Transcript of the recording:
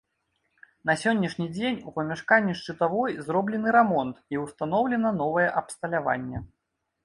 На сённяшні дзень у памяшканні шчытавой зроблены рамонт і ўстаноўлена новае абсталяванне.